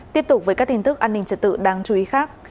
tiếp tục với các tin tức an ninh trật tự đáng chú ý khác